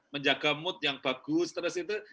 menjaga mood yang bagus terus itu